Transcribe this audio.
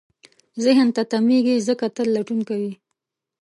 ذهن نه تمېږي، ځکه تل لټون کوي.